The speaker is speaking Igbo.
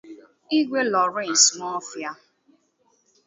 Igwe Lawrence Nwofia